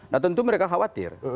nah tentu mereka khawatir